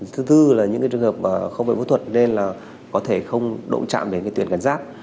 thứ tư là những cái trường hợp không phải phẫu thuật nên là có thể không động chạm đến cái tuyển cẩn giáp